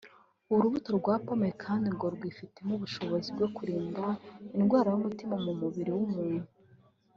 urubuto rwa pomme kandi ngo rwifitemo ubushobozi bwo kurinda indwara y’umutima mu mubiri w’umuntu